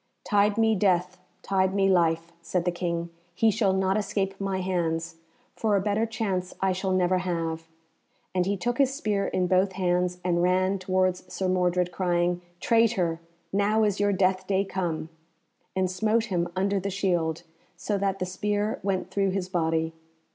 "Tide me death, tide me life," said the King, "he shall not escape my hands, for a better chance I shall never have;" and he took his spear in both hands and ran towards Sir Mordred, crying, "Traitor! now is your death day come," and smote him under the shield, so that the spear went through his body.